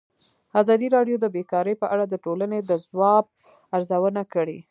ازادي راډیو د بیکاري په اړه د ټولنې د ځواب ارزونه کړې.